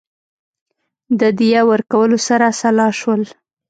د دیه ورکولو سره سلا شول.